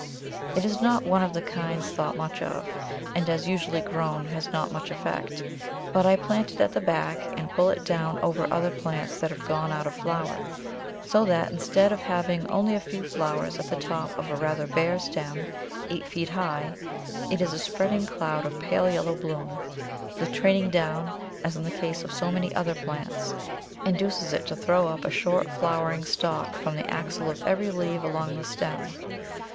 It is not one of the kinds thought much of, and as usually grown has not much effect; but I plant it at the back and pull it down over other plants that have gone out of flower, so that instead of having only a few flowers at the top of a rather bare stem eight feet high, it is a spreading cloud of pale yellow bloom; the training down, as in the case of so many other plants, inducing it to throw up a short flowering stalk from the axil of every leaf along the stem.